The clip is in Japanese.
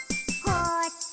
「こっち？」